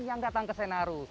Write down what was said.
yang datang ke senaru